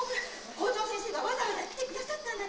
校長先生がわざわざ来てくださったのよ。